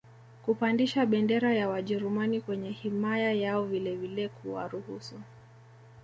kupandisha bendera ya wajerumani kwenye himaya yao vilevile kuwaruhusu